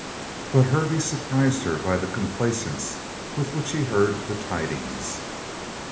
But Hervey surprised her by the complaisance with which he heard the tidings.